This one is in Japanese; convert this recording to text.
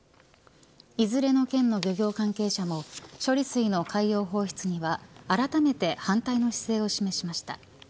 いずれの県の漁業関係者も処理水の海洋放出にはあらためて反対の姿勢を示しました。